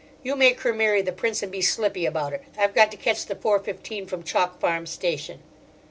You make her marry the Prince, and be slippy about it. I've got to catch the four fifteen from Chalk Farm station."